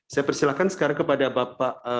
saya persilahkan sekarang kepada bapak